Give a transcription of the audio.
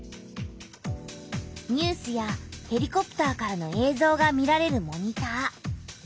ニュースやヘリコプターからのえいぞうが見られるモニター。